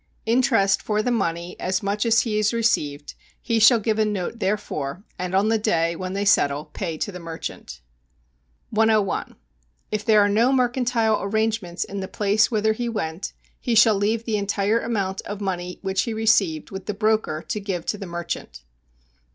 interest for the money, as much as he has received, he shall give a note therefor, and on the day, when they settle, pay to the merchant. 101. If there are no mercantile arrangements in the place whither he went, he shall leave the entire amount of money which he received with the broker to give to the merchant.